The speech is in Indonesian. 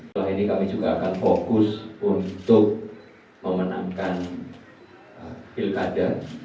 setelah ini kami juga akan fokus untuk memenangkan pilkada